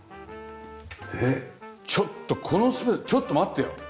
でちょっとこのスペースちょっと待ってよ！